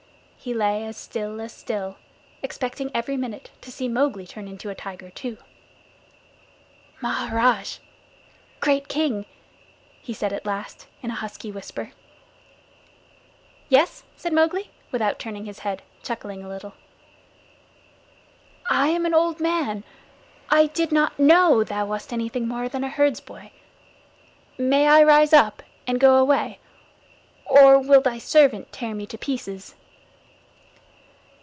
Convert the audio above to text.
He lay as still as still, expecting every minute to see Mowgli turn into a tiger too. "Maharaj! Great King," he said at last in a husky whisper. "Yes," said Mowgli, without turning his head, chuckling a little. "I am an old man. I did not know that thou wast anything more than a herdsboy. May I rise up and go away, or will thy servant tear me to pieces?"